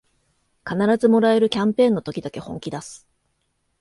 必ずもらえるキャンペーンの時だけ本気だす